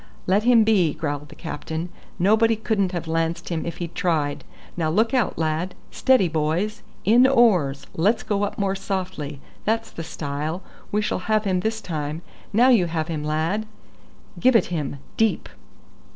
"Let him be," growled the captain; "nobody couldn't have lanced him if he'd tried. Now look out, lad! Steady, boys! In oars! Let's go up more softly. That's the style. We shall have him this time. Now you have him, lad; give it him deep."